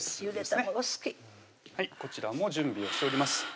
ゆで卵好きこちらも準備をしております